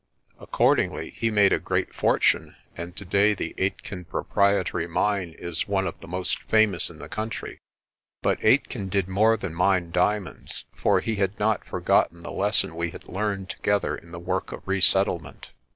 Accordingly he made a great fortune, and today the Aitken Proprietary Mine is one of the most famous in the country. But Aitken did more than mine diamonds, for he had not forgotten the lesson we had learned together in the work of resettlement.